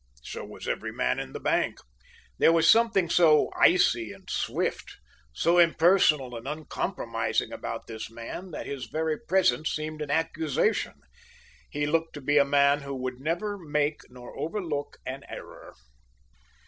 So was every man in the bank. There was something so icy and swift, so impersonal and uncompromising about this man that his very presence seemed an accusation. He looked to be a man who would never make nor overlook an error.